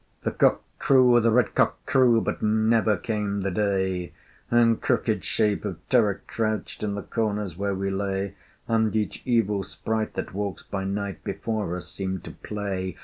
The cock crew, the red cock crew, But never came the day: And crooked shape of Terror crouched, In the corners where we lay: And each evil sprite that walks by night Before us seemed to play.